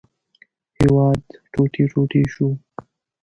هېواد ټوټې ټوټې شو.